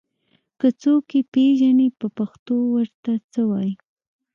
که څوک يې پېژني په پښتو ور ته څه وايي